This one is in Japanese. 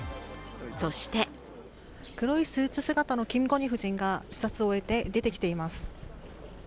そして黒いスーツ姿のキム・ゴンヒ夫人が視察を終えて出てきています。